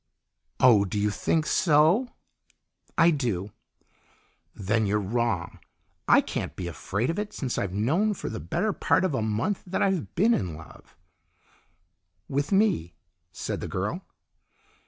"Oh! Do you think so?" "I do." "Then you're wrong! I can't be afraid of it, since I've known for the better part of a month that I've been in love." "With me," said the girl.